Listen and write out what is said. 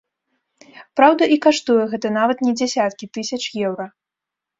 Праўда, і каштуе гэта нават не дзясяткі тысяч еўра.